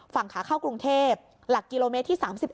ฝั่งขาเข้ากรุงเทพหลักกิโลเมตรที่๓๑